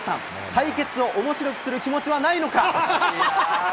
対決をおもしろくする気持ちはないのか。